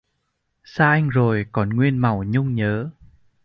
Xa anh rồi còn nguyên màu nhung nhớ